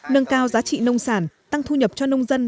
nâng cao giá trị nông sản tăng thu nhập cho nông dân